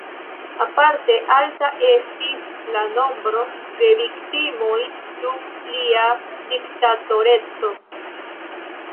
Aparte alta estis la nombro de viktimoj dum lia diktatoreco.